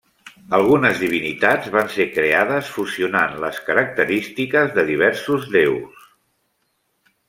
Algunes divinitats van ser creades fusionant les característiques de diversos déus.